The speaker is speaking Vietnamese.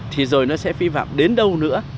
thì rồi nó sẽ vi phạm đến đâu nữa